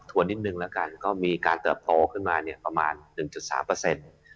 ทวนนิดนึงแล้วก็มีการเติบโตขึ้นมาประมาณ๑๓